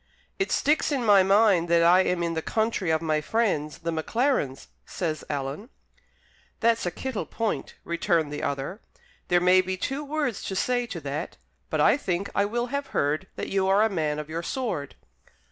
"It sticks in my mind that I am in the country of my friends, the Maclarens," says Alan. "That's a kittle point," returned the other. "There may be two words to say to that. But I think I will have heard that you are a man of your sword?"